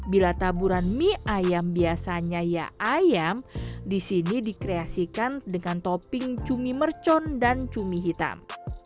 bila taburan mie ayam biasanya ya ayam disini dikreasikan dengan topping cumi mercon dan cumi hitam